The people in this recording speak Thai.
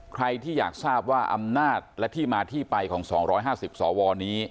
ใครที่อยากทราบว่าอำนาจและที่มาที่ไปของ๒๕๐สวนี้